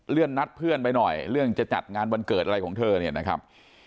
นัดเพื่อนไปหน่อยเรื่องจะจัดงานวันเกิดอะไรของเธอเนี่ยนะครับ